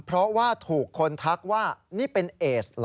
เพราะว่าถูกคนทักว่านี่เป็นเอสเหรอ